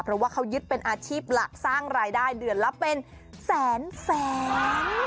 เพราะว่าเขายึดเป็นอาชีพหลักสร้างรายได้เดือนละเป็นแสนแสน